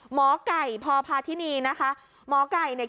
หมอไก่พพาธินีนะคะหมอไก่เนี่ย